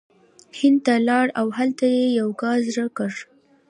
هند ته لاړ او هلته یی یوګا زړه کړه